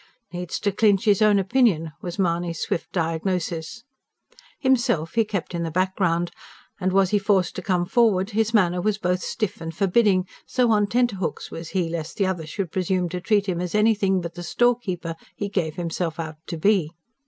"Needs to clinch his own opinion!" was Mahony's swift diagnosis. Himself, he kept in the background. And was he forced to come forward his manner was both stiff and forbidding, so on tenterhooks was he lest the other should presume to treat him as anything but the storekeeper he gave himself out to be.